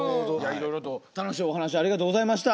いろいろと楽しいお話ありがとうございました。